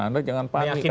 anda jangan panik